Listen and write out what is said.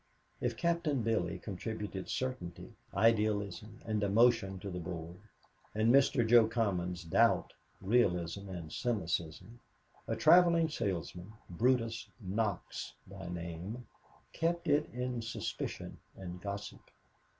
If Captain Billy contributed certainty, idealism and emotion to the Board, and Mr. Jo Commons doubt, realism and cynicism, a traveling salesman, Brutus Knox by name, kept it in suspicion and gossip.